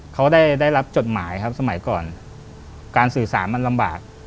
เขาได้รับจดหมายครับสมัยก่อนการสื่อสารมันลำบาก